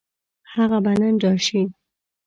هغه به نن راشي.